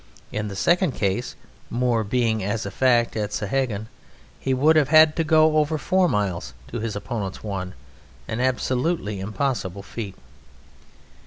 In the second case (Moore being as a fact at Sahagun) he would have had to go over four miles to his opponent's one an absolutely impossible feat.